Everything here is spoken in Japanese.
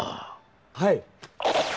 はい。